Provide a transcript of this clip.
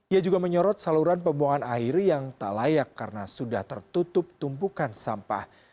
ia juga menyorot saluran pembuangan air yang tak layak karena sudah tertutup tumpukan sampah